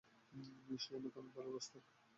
সে আমাকে অনেক ভালোবাসতো।